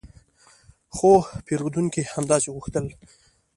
خو پیرودونکي همداسې غوښتل